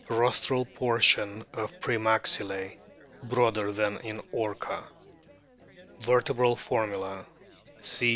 Rostral portion of pre maxillse broader than in Orca. Vertebral formula : C.